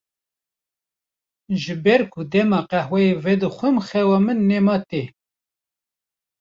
Ji ber ku dema qehweyê vedixwim xewa min nema tê.